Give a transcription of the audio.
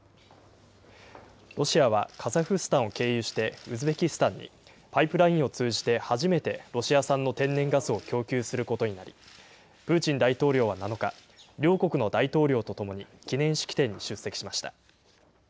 ロシアはカザフスタンを経由して、ウズベキスタンにパイプラインを通じて初めてロシア産の天然ガスを供給することになり、プーチン大統領は７日、両国の大統領と共に、記念式典に出席しました。